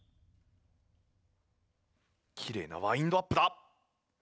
きれいなワインドアップだ。